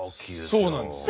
そうなんですよ。